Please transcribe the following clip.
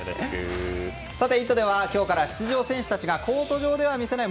「イット！」では今日から出場選手がコート上では見せない